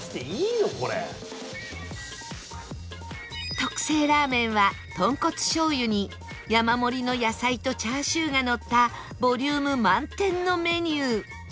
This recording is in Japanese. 特製らーめんは豚骨醤油に山盛りの野菜とチャーシューがのったボリューム満点のメニュー